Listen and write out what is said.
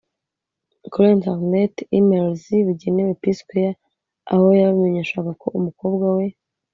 Kuri internet (emails) bugenewe P-Square aho yabamenyeshaga ko umukobwa we